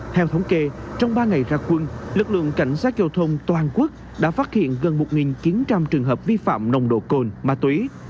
theo thống kê trong ba ngày ra quân lực lượng cảnh sát giao thông toàn quốc đã phát hiện gần một chín trăm linh trường hợp vi phạm nồng độ cồn ma túy